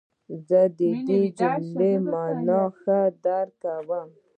زه د دې جملې مانا ښه درک کوم.